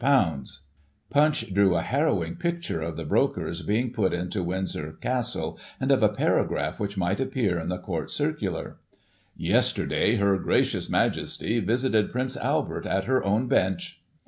Flinch drew a harrowing picture, of the brokers being put into Windsor Castle, and of a paragraph which might appear in the Court Circular: "Yesterday, Her Gracious Majesty visited Prince Albert at her own Bench."